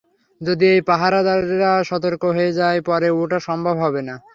যদি এই পাহারাদারেরা সতর্ক হয়ে যায়, উপরে উঠা সম্ভব হবে না।